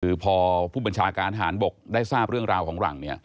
คือพอผู้บัญชาการทหารบกได้ทราบเรื่องราวของหลัง